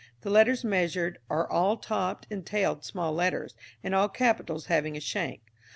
The letters measured are all topped and tailed small letters, and all capitals having a shank.